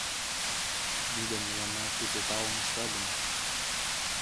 Ынде мыланна кузе таум ышта гын?